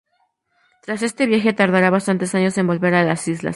Tras este viaje, tardará bastantes años en volver a las islas.